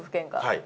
はい。